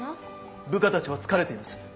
部下たちは疲れています。